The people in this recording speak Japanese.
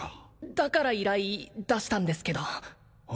だから依頼出したんですけどあ